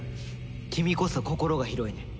君こそ心が広いね。